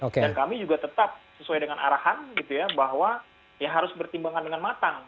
dan kami juga tetap sesuai dengan arahan bahwa harus bertimbangkan dengan matang